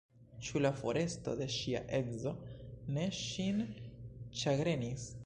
Ĉu la foresto de ŝia edzo ne ŝin ĉagrenis?